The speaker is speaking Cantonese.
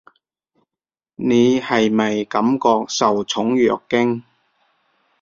你係咪感覺受寵若驚？